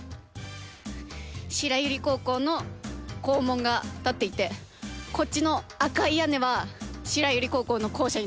白百合高校の校門が立っていてこっちの赤い屋根は白百合高校の校舎になってるんです。